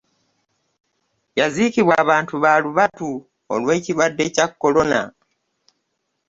Yaziikibwa abantu ba lubatu olw'ekirwadde kya Corona.